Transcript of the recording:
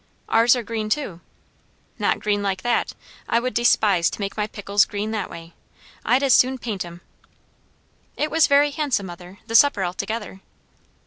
"Ours are green too." "Not green like that. I would despise to make my pickles green that way. I'd as soon paint 'em." "It was very handsome, mother, the supper altogether."